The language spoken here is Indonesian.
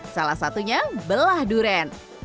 salah satunya belah durian